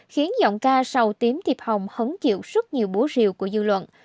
khiến giọng ca sầu tím thiệp hồng hấn chịu rất nhiều búa rìu của dư luận